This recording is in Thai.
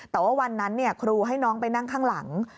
แต่ว่าวันนั้นครูให้น้องไปนั่งข้างหลัง